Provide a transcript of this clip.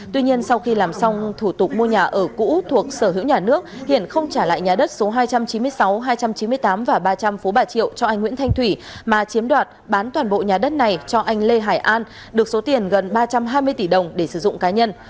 tuy nhiên sau khi làm xong thủ tục mua nhà ở cũ thuộc sở hữu nhà nước hiện không trả lại nhà đất số hai trăm chín mươi sáu hai trăm chín mươi tám và ba trăm linh phố bà triệu cho anh nguyễn thanh thủy mà chiếm đoạt bán toàn bộ nhà đất này cho anh lê hải an được số tiền gần ba trăm hai mươi tỷ đồng để sử dụng cá nhân